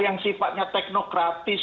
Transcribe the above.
yang sifatnya teknokratis